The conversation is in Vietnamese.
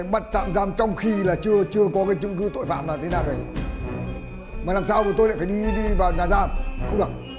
bác cứ bình tĩnh